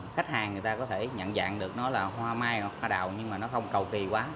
khách hàng người ta có thể nhận dạng được nó là hoa mai hoặc hoa đào nhưng mà nó không cầu kỳ quá